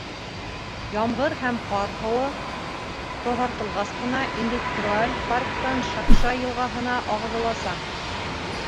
Ямғыр һәм ҡар һыуы таҙартылғас ҡына Индустриаль парктан Шакша йылғаһына ағыҙыласаҡ.